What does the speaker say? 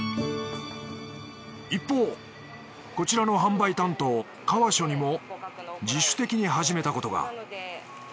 一方こちらの販売担当川所にも自主的に始めたことが。